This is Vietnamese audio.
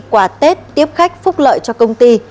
quả tết tiếp khách phúc lợi cho công ty